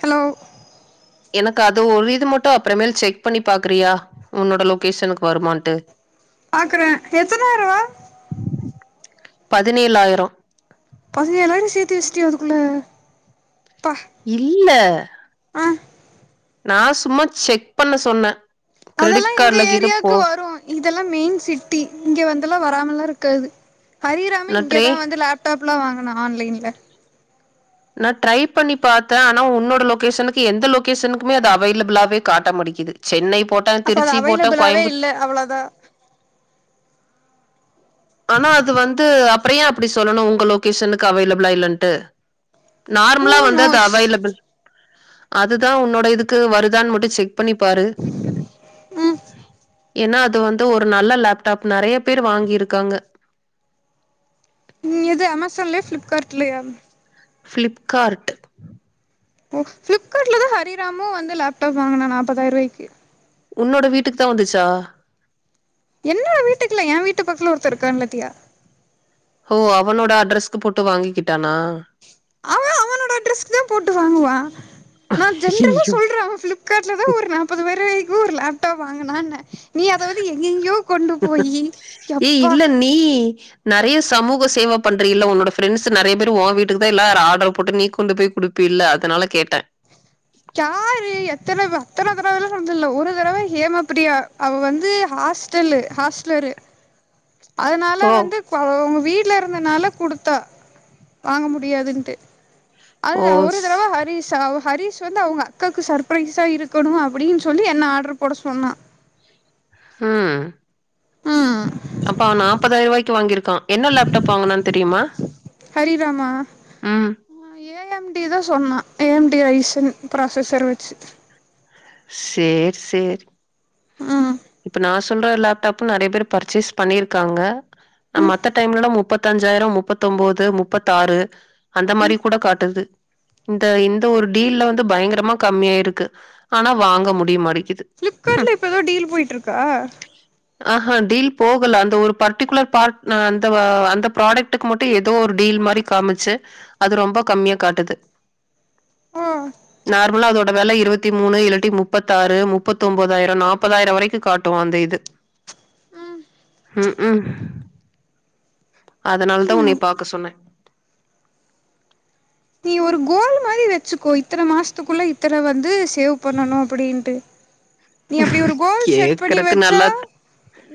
ஹலோச எனக்கு அது ஒரு இது மட்டும் அப்புறமேல் செக் பண்ணி பாக்குறியா உன்னோட ட லொகேஷன் வருமாட்டு பாக்குறேன் எத்தனைரவா பதினேழாயிரம் பை வேரசேர்த்து வச்சிட்ட அதுக்குள்ள பா இல்ல நான் சும்மா செக் பண்ண சொன்னே அதெல்லா எங்க ஏரியாவுக்கு வரும் இங்கலெல்லா மெயின் சிட்டி இங்க வந்துல்லா வராமலாஇரு கது ஹிரக்ஷராமி நான் ட்ரே இங்கதே வந்து லேப்டாப் இவ்ள வாங்கன ஆன்லைன்ல நா ட்ரை பண்ணி பார்த்தே ஆனா உன்னோட லொகேஷனுக்கு எந்த லொகேஷனுக்குமே அது அவைலபிளாவே காட்ட முடிக்குது சென்னை போட்டேன், அப்ப அ திருச்சி போட்டேன், அவைலபிளாவே கோயம்புத் இல்ல அவ்ளோதா ஆனா அது வந்து அப்பறன் அப்படி சொல்லணும் உங்க லொகேஷனுக்கு அவலபிளா இல்லட்டு ஹூ நார்மலா வந்து அது நோஸ் அவைலபிள் அதுதா உன்னோட இதுக்கு வருதான்னு மட்டு செ பண்ணி பாரு ம் ஏன்னா அது வந்து ஒரு நல்ல லேப்டாப் நிறைய பேர் வாங்கியிருக் இருக்காங்க இது அமாஜன்ல ஃபளிப்கார்ட்லியா ஃப்ளிப்கார்ட்ட ஓ பிளிப்கார்ட்லதா ஹிரிராமு வந்து லேப்டாப் வாங்கினா நாற்பப்பதாயிர ரூபாய்க்கு உன்னோட வீட்டுக்கு தா வந்துச்சா என்னோட வீட்டுக்குல என் வீட்டு பக்கல ஒருத்தர் இருக்கா பத்தியா ஹ அவனோட அட்ரஸ்க்கு போட்டு வாங்கிக்கிட்டானா அவன் அவனோட அட்ரெஸ்க்கு தான் போட்டு வாங்குவா நான் ஜன்னர ஐயய்யோ! சொல்றே பிளிப்கார்ட்லதா ஒரு நாற்பது பேரை கூறுல ட்ட வாங்கனா நீ அதா எங்கெயோ கொண்டு போயி எப்பா நிறைய சமூக சேவ பண்ற இல்ல ஒ ஃப்ரெண்ட்ஸ் நிறைய பேர் உன் வீட்டுக்கு தா எல்லாரு ஆர்டர் போட்டு நீ கொண்டு போய் குடுப்ப இல்ல அதனால கேட் கார்ரு அத்தனவை அத்தனை தடவை எ சொ்ச இல ஒரு தடவை ஹேம பிரியா அவ வந்து ஹாஸ்டல்லு ஹாஸ்டல் அதனால ஓ! வந்து பா வீட்டில் இருந்தனால கொடுத்தா வாங்க முடியாதுன்ட்டு ஓ! அதுதான் ஒருர ஸ் தரவா ஹரீசாவு ஹரீஷ் வந்து அவங்க அக்காவுக்கு சர்பரைஸா இருக்கணும் அப்படின்னு சொல்லி என்ன ஆர்டரு போட சொன்னான் ஆஹம்் அப்ப நாப்பதிரூபாய்க்கு வாங்கிரு என்ன லேப்டாப் வாங்கனான்னு தெரியுமா உம் ஏஎம்டி தான் சொன்னான் ஏஎம்டி ரைசன் ப்ராசஸர் வச்சு சேரி சேரி ம் இப்ப நா சொல்ற லேப்டாப் நிறைய பேர் பர்ச்சேஸ் பண்ணிருக்காங்க ந ம் மத்த டைம்ல முப்பத்த அஞ்சாயிரம் முப்பத்த ஒன்பது முப்பத்த ஆறு அந்த ம் மாதிரி கூட காட்டுது இந்த இந்த ஒரு டீல்லல வந்து பயங்கரமா கம்மியாயிருக்கு ஆனா வாங்க முடியமாடிக்குது பளிப்கார்ட்ல இப்போ ஏதோ டீல் போயிற்றுக்கு க்க ஆஹஹா டீல் போகல அந்த ஒரு பர்டிகுலர் பார்ட் அந்த அந்த ப்ராடக்டக்கு மட்டும் ஏதோ ஒரு டீல் மாதிரி காமிச்சு அது ரொம்ப கம்மியா காட்டுது ஓ நார்மலா வில இருவதி மூணு இல்லாட்டி முப்பத்தி ஆறு முப்பத்தி ஒம்போது ஆயிரம் நாபதாயிரம் வரைக்கும் காட்டுவான் அந்த இது ம் உம் உம் அதனால தான் உன்னை ம் பாாரக்க சொன்னேன் நீ ஒரு கோல் மாதிரி வச்சுக்கோ இத்தனை மாசத்துக்குள்ள இத்தனை வந்து சேவ் பண்ணணும் அப்படின்ட்டு நீ அப்படி ஒரு கோல் செட் பண்ணி கேக்குறக்கு வச்சா நல்லா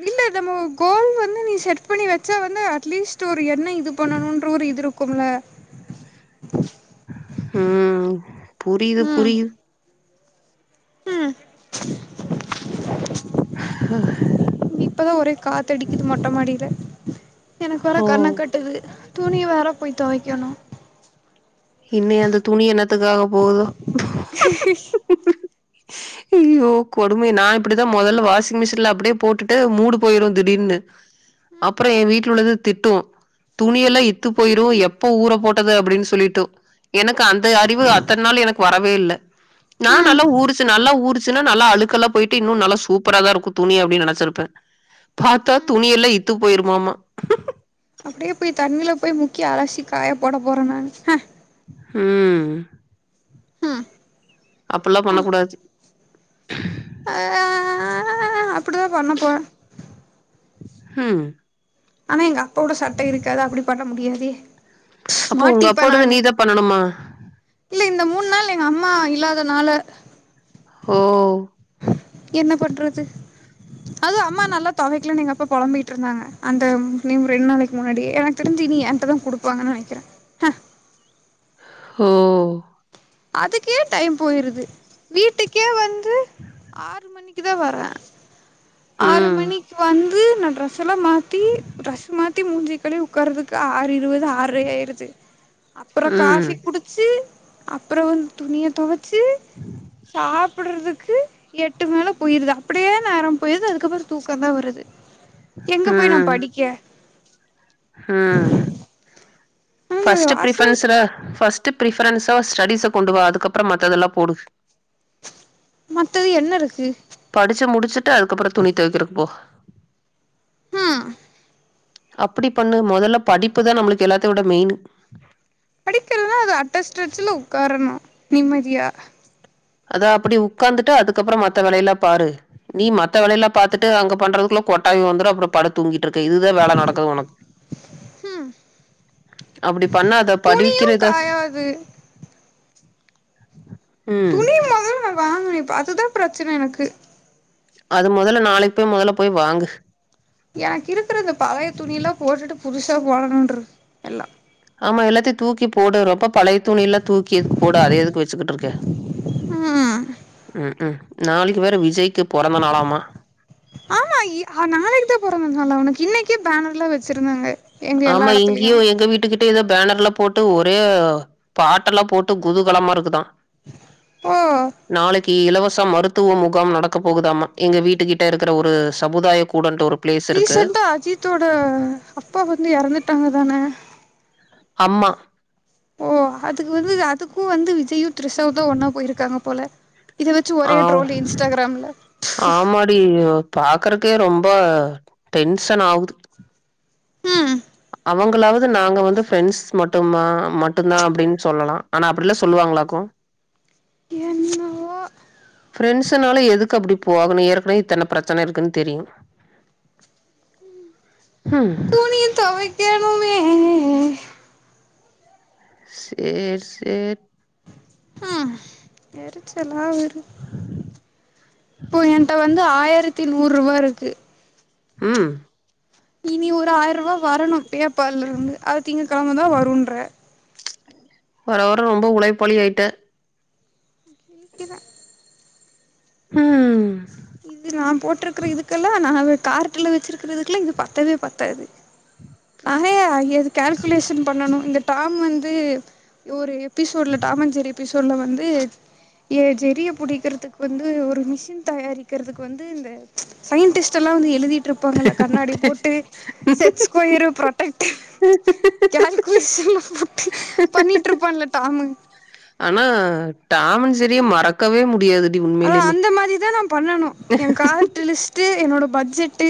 இல்ல கோல் வந்து நீ செட் பண்ணி வச்சா வந்து அட்லீஸ்ட் ஒரு என இது பண்ணணும் ஒரு இது இருக்கும்ல உஹம் புரியுது ம் புரியுது ம் ஆஹ் இப்பதான் ஒரே காத்த அடிக்குது மொட்டை மாடியில எனக்கு வர ஓ! கண்ண கட்டுது துணி வேற போய் தோவைக்கணும் இன்னனை அந்த துணி எண்ணத்துக்காக போகுதோ ஹி ஹி ஐய்யோ கொடுமை நான் இப்படிதான் முதல்ல வாஷிங் மிஷின்ல அப்படியே போட்டுட்டு மூடு போயிரும் திடீர்னு அப்புறம் என் வீட்டுல உள்ளது திட்டும்ம் துணியெல்லாம் இத்து போயிரும் எப்ப ஊற போட்டது அப்படின்னு சொல்லிட்டோ எனக்கு அந்த அறிவு அத்தனை நாள் எனக்கு வரவே இல்லை நான் ம் நல்லா ஊரு நல்லா ஊருச்சுன்னா நல்லா அழுக்கெல்லாம் போயிட்டு இன்னும் நல்லா சூப்பரா தான் இருக்கும் துணி அப்படின்னு நினைச்சிருப்பேன் பார்த்தா துணி எல்லாம் இத்து போயிருமாமா அப்படியே போய் தண்ணில போய் முக்கி அலசி காய போட போறே நான்ஹ உஹம் ம் அப்படல்லாம் பண்ண கூடாது அப்படிதான் பண்ணப் போற ஹம் ஆமங்கா சட்டை இருக்காது அப்படி பண்ண முடியாது ஏ அப்போ உங்க அப்போடந்து நீ தான் பண்ணணுமா இல்ல இந்த மூணு நாள் எங்க அம்மா இல்லாத நாால ஓ என்ன பண்றது அதுவு அம்மா நல்லா தொவைக்கலன்னு எங்க அப்பா புழம்பிகிட்டு இருந்தாங்க அந்த நீ ரெண்டு நாளைக்கி முன்னாடியே எனக்கு தெரிஞ்சி இனி என்ட்ட தா குடுப்பாங்கன்னு நினைக்கிறே ஹ ஓ அதுக்கே டைம் போயிருது வீட்டுக்கே வந்து ம் ஆறு மணிக் இத வர்றே ஆறு ம் மணிக்கு வந் இது என்ன டிரஸ் அதுக்குள்ள மாத்தி டிரஸ் மாத் பத்தி மூஞ்சிய கழுவி உக்காறதுக்கு ஆறு இருபது ஆறை ஆயிருது அப்றோ ம் ம் காஃபி குடிச்சி அப்பறோ வந்து துணிய தொவ சாப் ப்டுறதுக்கு எட்டு மேல போயிருது அப்டியே நேரோ போயிருது அதுக்கப்பறோ தூக்கந்தா வருது எங்க போய் நா படிக்க ஆஹ் அந்த ஃபர்ஸ்ட் வாஷ்ரூம் பிரிபரன்ஸ்ல ஃப ர்ஸ்ட் பிரிஃபரென்ஸ்ஸா ஸ்டடிஸ்ஸ கொண்டு வா அதுக்கப்பறோ மத்ததெல்லா போடு மத்தது என்ன இருக்கு படிச்சி முடிச்சு ட்டு அதுக்கப்பறோ துணி தொவக்கிறக்கு போ ஆ அப்டி பண்ணு மொதல்ல படிப்புதா நம்மளுக்கு எல்லாத்த விட மெயின் படிக்கலனா அது அட்டஸ்டிரச்சல உக்காரணு நிம்மதியா அதா அப்டி உக்காந்துட்டு அதுக்கப்பறோ மத்த வேலயல்லா பாரு நீ மத்த வேலயல்லா பாத்துட்டு அங்க பண்றதுக்குள்ள கொட்டாவி வந்துரு அப்றோ படுத்து தூங்கி ட்ருக்கு இதுதா வேல நடக்குது உனக்கு ம் அப்டி பண்ணாத துணியு படிவிக்கிறத காயாது ம் வாங்கனு இப்ப அதுதா பிரச்சன எனக்கு அது மொதல்ல நாளைக்கி போய் மொதல்ல போய் வாங்கு எனக்கு இருக்குற இந்த பழய துணி எல்லா போட்டுட்டு புதுசா போடணுன்னுருக்கு எல்லா ஆமா எல்லாத்தயு தூக்கி போடு ரொம்ப பழய துணில்லா தூக்கி எதுக்கு போட அத எதுக்கு வச்சிகிட்டு இருக் க்க ம் ம் ம் நாளைக்கி வேற விஜய்க்கு பொறந்த நாளாமா ஆமா கி பேனர்ல வச் ஆமா இங்கயோ எங்க வீட்டுக்கிட்ட எதோ பேனர்ல போட்டு ஒரே பாட்டெல்லா போட்டு குதுகலமா இருக்குதா. ஆஹ். கு இலவச மருத்துவ முகாம் நடக்க போகுதாமா எங்க வீட்டு கிட்ட இருக்கிற ஒரு சமுதாய கூடன்டு ஒரு பிளேஸ் இருக்கு. ரீசன்டா அஜிதோட அப் பா வந்து எறந்துட்டாங்க தான ஆமா ஓ அதுக்கு வந்து அதுக்கோ வந்து வி ஜியூ த்ரிசாவு தா ஒன்னா போயிருக்காங்க போல இத வச்சு ஆ ஒரே ட்ரோல் இன்ஸ்டாகிராம்ல ஆமாடி யோ பாக்குறக்கே ரொம்ப டென்சன் ஆவுது ம் அவுங்களாவது நாங்க வந்து பிரெண்ட்ஸ் மட்டுமா மட்டுந்தா அப்படின்னு சொல்லலா ஆனா அப்படிலா சொல்லுவாங்களாக்கு என்னவோ பிரெண்ட்ஸூனாலு எதுக்கு அப்படி போகணு ஏற்கனவே இத்தன பிரச்சன இருக்குன் தெரியு ம். துணி தொவைக்கணுமே. செரி செரி. எரிச்சல் ஆவரு. போ என்ட வந்து ஆயிரத் தி நூறுவா இருக்கு ம் இனி ஒரு ஆயிர் ரூவா வரணு பேப்பால்ல இருந்து அது திங்க கிழமதா வருன்ற. வர வர ரொம்ப உழைப்பாளி ஆயிட்டே கேக்கிதா ம் இது நா போட்டுருக்கற இதுக்கெல்லா நா கார்ட்டுல வச்சிருக்கற இதுக்குல்லா இது பத்தவே பத்தாது நா ஏ ஐய கேல்குலேஷன் பண்ணணு இந்த டாம் வந்து ஒரு எபிசோட்ல டாம் அன்ட் ஜெரி எபி சோட்ல வந்து எ ஜெரிய புடிக்கிறதுக்கு வந்து ஒரு மிஷின் தயாரிக் கிறதுக்கு வந்து இந்த சயின்டிஸ்ட் எல்லா வந்து எழுதிட் டுருப்பாங்க இல்ல கண்ணாடி போட்டு செட்ஸ் கொயரு புரொட்டக்டு கால்குலேஷன்லா போட்டு பண்ணிட்டு இருப்பான்ல டாமு ஆனா டாமன் செரிய மறக்கவே முடியாது. அதா அந்த மாதிதா நா பண்ணனு என் கார்ட் லிஸ்ட்டு என்னோட பட்ஜெட்டு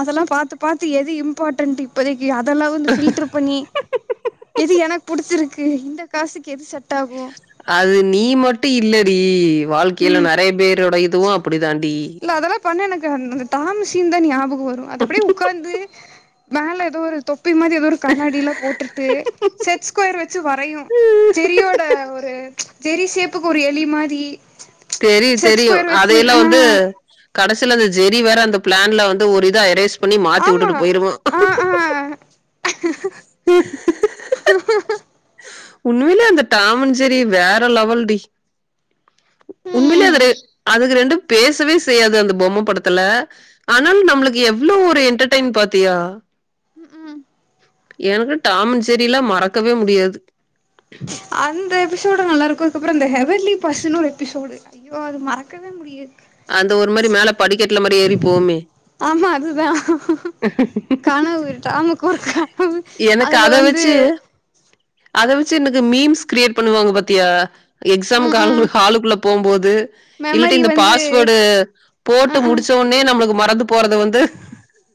அதெல்லா பாத்து பாத்து எது இம்பார்டென்ட் இப்போதைக் அதெல்லா வந்து பில்ட்ரு பண்ணி இது எனக் பிடிச்சிருக் கு இந்த காசுக்கு எது ச அது நீ மட்டு இல்ல டி வாழ்க்கையில ம் நெறய பேரோட இதுவு அப்டி தாண்டி இல்ல அதெலா பண்ண எனக்கு அந்த டாம் சீன்தா ஞாபகம் வரு அதப்டியே உக்காந்து மேல ஏதோ ஒரு தொப் பி மாரி ஏதோ ஒரு கண்ணாடியிலா போட்டுட்டு செட் ஸ்கொயர் வச்சு வரயும் ஜெரியோட ஒரு ஜெரி சேப்புக்கு ஒரு எலி மாரி தெரியு செட் தெரியு ஸ்கொயர் வச்சு அதையெல்லா வந்து ஆ கடசில அந்த ஜெரி வேற அந்த பிளான்ல வந்து ஒரு இத எரேஸ் ணி மாத்தி ஆமா உட்டுட்டு போயிருவோ ஆ ஆ உண்மயிலே அந்த டாம் அண்ட் ஜெரி வேற லெவல் டி உண்மையிலே ம் அதுரே அது ரெண்டும் பேசவே செய்யாது அந்த பொம்ம படத்துல ஆனாலு நம்ளுக்கு எவ்ளோ ஒரு என்டர்டெய்ன் பாத்தியா உம் எனக்கு டாம் அண்ட் ஜெரிலா மறக்கவே முடியாது அந்த பிரிஸ்சோட நல்லாருக்கோ அதுக்கப்பறோ இந்த ஹெவர்லி பர்ஸ்சுன்னு ஒரு எபிசோடு ஐயோ அது மறக்கவே முடியாது அந்த ஒரு மாரி மேல படிக்கட்டுல மாரி ஏறிப்போமே ஆ கானாவ்வொய்டா ஆமாக்கொரு கனவு எனக்கு அதுல அதை வந்து வச்சு அத வெச்சு எனக்கு மீம்ஸ் கிரியேட் பண்ணுவாங்க பாத்தியா எக்ஸாக் ம் ம் [unintelligible] ஹாலுக்குள்ள போம்போது இல்லட்டி மெமரி இந்த வந்து பாஸ்வேர்டு போட்டு ம் ம் முடிச்சவோனே நம்ளுக்கு ம நந்து போறது வந்து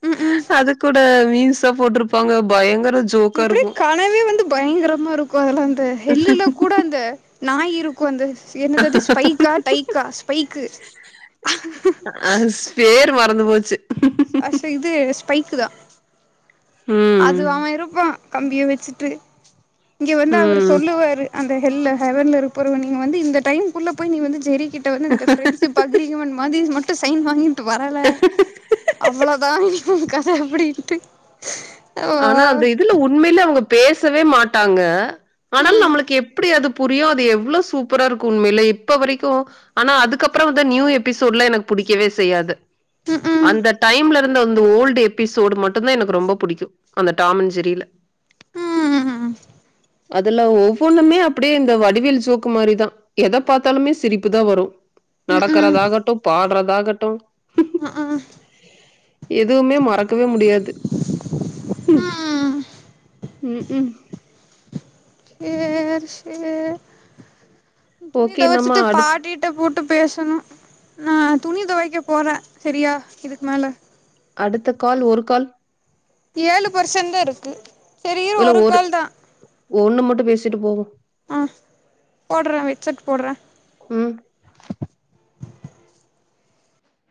ம் ம் அது கூட மீம்சா போட்டுருப்பாங்க பயங் இப்டி கனவே வந்து பயங்கரமா இருக்கோ அதுல அந்த ஹெல்லுல கூட அந்த நாயிருக்கோ அந்த சே என்னதது ஸ்பைக்கா டைக்கா ஸ்பைக் அ [unintelligible] வந்து போச்சு பைக்குதா அது ம். அவ இருப்பா கம்பிய வெச்சுட்டு இங்க வந்து அவரு ம். சொல்லுவாரு அந்த ஹெல்ல ஹெவன்ல இருப்பருவ நீங்க வந்து இந்த டைம்க் குள்ள போய் நீ வந்து ஜெரி கிட்ட வந்து இந்த ஃப்ரெண்ட்ஷிப் [unintelligible] மாதி ஸ்மார்ட் டு சைன் வாங்கி டு வரல அவ்ளோதா உ கத அப்டின்ட்டு ஆனா அந்த இதுல உண்மைல அவுங்க பேசவே மாட்டாங்க ஆனாலு ம் நம்ளுக்கு எப்டி அதுப் புரியோ அது எவ்ளோ சூப்பரா இருக்கு உண்மைலே இப்ப வரிக்கோ ஆனா அதுக்கப்பற வந்து நியூ எபிசோட்ல எனக்கு புடிக்கவே செய்யாது ம் ம் அந்த டைம்ல ந்த அந்து ஓல்டு எபிசோடு மட்டுந்தா எனக்கு ரொம்ப புடிக்கு அந்த டாம் அண்ட் ஜெரில உம் அதுல ஒவ்வொண்ணுமே அப்டே இந்த வடிவேல் ஜோக்கு மாரிதா எத பாத்தாலுமே சிரிப்புதா வரோ ம் நடக்கறதாகட்டொ பாட்ற தாகட்டொ ம் ம் எதுமே மறக்கவே முடியாது உம் ம் உ உம் சேர் சேர் ஓகே நம்ம துணிதொவச்சுட்டு அடுத் பாடிட்ட புட் டு பேசணு நா துணி தொவைக்க போறே செரியா இதுக் மேல அடுத்த கால் ஒரு கால் ஏழு பேர்சென்தா இருக்கு செரி இரு ஒரு கால்தா ஒன்னு மட்டோ பேசிட்டு போவொ ஆ போட்ற வெச்செட் போட்ற உம்